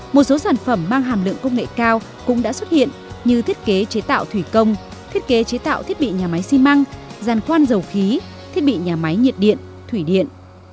một số sản phẩm mang hàm lượng công nghệ cao cũng đã xuất hiện như thiết kế chế tạo thủy công thiết kế chế tạo thiết bị nhà máy xi măng gian quan dầu khí thiết bị nhà máy nhiệt điện thủy điện